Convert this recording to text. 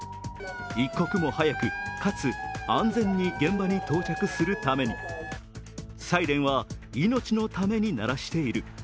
一刻も早くかつ安全に現場に到着するために、サイレンは命のために鳴らしている。